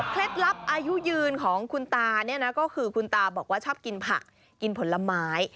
ลับอายุยืนของคุณตาเนี่ยนะก็คือคุณตาบอกว่าชอบกินผักกินผลไม้